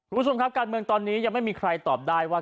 คุณผู้ชมครับการเมืองตอนนี้ยังไม่มีใครตอบได้ว่า